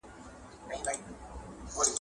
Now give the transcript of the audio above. د ځوانانو د استعدادونو ملاتړ پکار دی.